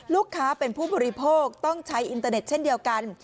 ลูกค้าเป็นผู้บริโภคต้องใช้อินเตอร์เน็ตเช่นเดียวกัน